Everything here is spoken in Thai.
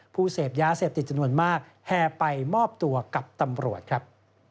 เสพยาเสพติดจำนวนมากแห่ไปมอบตัวกับตำรวจครับ